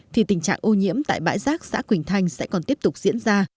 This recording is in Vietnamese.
thì tình trạng ô nhiễm tại bãi rác xã quỳnh thanh sẽ còn tiếp tục diễn ra